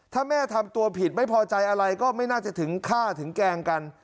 ถ้าแม่ทำตัวผิดไม่พอใจอะไรก็ไม่น่าจะถึงฆ่าถึงแกล้งกัน